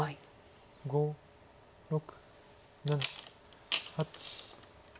５６７８。